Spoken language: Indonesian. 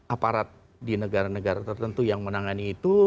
aparat di negara negara tertentu yang menangani itu